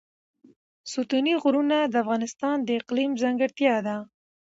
ستوني غرونه د افغانستان د اقلیم ځانګړتیا ده.